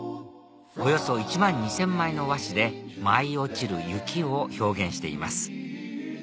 およそ１万２０００枚の和紙で舞い落ちる雪を表現しています